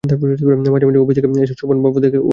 মাঝে মাঝে অফিস থেকে এসে শোভন দেখে বাবা বসে আছে চুপচাপ।